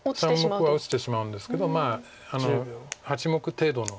３目は落ちてしまうんですけど８目程度の。